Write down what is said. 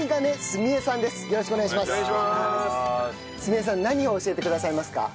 すみ江さん何を教えてくださいますか？